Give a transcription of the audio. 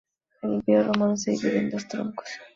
El Imperio romano se divide en dos troncos.